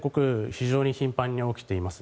非常に頻繁に起きています。